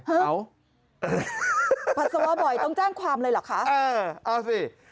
ปัสสาวะบ่อยต้องแจ้งความเลยเหรอคะเออเอาสิ